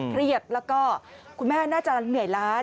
เครียดแล้วก็คุณแม่น่าจะเหนื่อยล้า